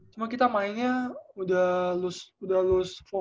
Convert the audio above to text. cuma kita mainnya udah lose focus aja